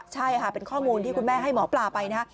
ใช่เป็นข้อมูลที่คุณแม่ให้หมอปลาไป